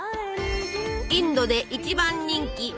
インドで一番人気！